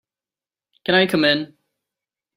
Can I come in?